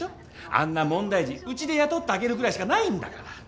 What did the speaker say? あんな問題児うちで雇ってあげるぐらいしかないんだから。